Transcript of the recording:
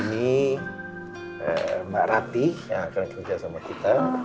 ini mbak rati yang akan kerja sama kita